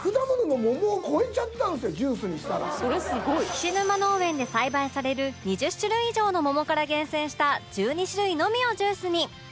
菱沼農園で栽培される２０種類以上の桃から厳選した１２種類のみをジュースに